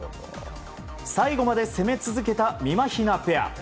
最後まで攻め続けたみまひなペア。